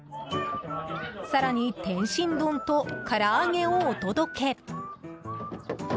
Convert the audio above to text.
更に天津丼と、から揚げをお届け。